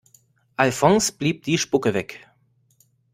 Alfons blieb die Spucke weg.